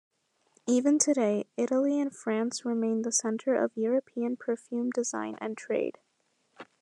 Even today, Italy and France remain the center of European perfume design and trade.